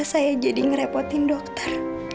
saya jadi ngerepotin dokter